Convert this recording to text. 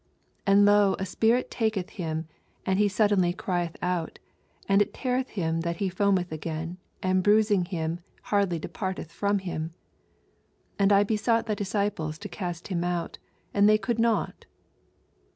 89 And, lo, a spirit taketh him, and he suddenly crieth out ; anditteareth him that he foameth again, and bruis ing him hardly departeth from him. 40 And I besought thy disciples to oast him out ; and they could not.